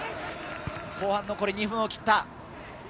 後半、残り２分を切った。